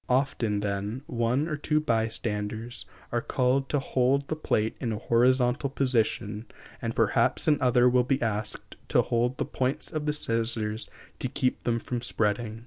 Often, then, one or two bystanders are called to hold the plate in a horizontal position, and perhaps another will be asked to hold the points of the scissors to keep them from spreading.